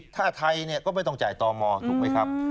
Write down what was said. ถ้าไทยก็ไม่ต้องจ่ายต่อมอถูกไหมครับ